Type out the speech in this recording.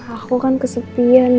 aku kan kesepian